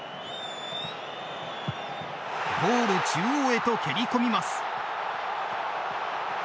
ゴール中央へと蹴り込みます。